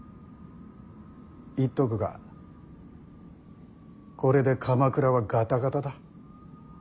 言っとくがこれで鎌倉はガタガタだ。